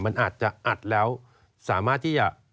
มันอาจจะอัดแล้วสามารถที่จะ